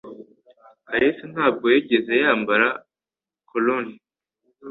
Kalisa ntabwo yigeze yambara cologne